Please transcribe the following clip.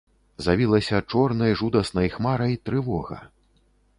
Завілася чорнай жудаснай хмарай трывога.